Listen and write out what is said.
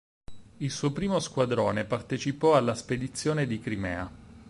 Il suo primo squadrone partecipò alla Spedizione di Crimea.